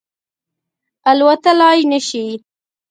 الوتلای نه شي